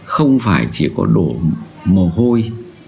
không phải chỉ có đổ mồ hôi